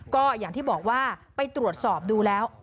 ก็อย่างที่บอกว่าไปตรวจสอบดูแล้ว